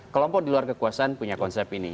kelompok di luar kekuasaan punya konsep ini